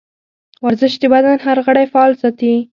ورزش د بدن هر غړی فعال ساتي.